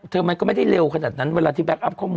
มันก็ไม่ได้เร็วขนาดนั้นเวลาที่แก๊อัพข้อมูล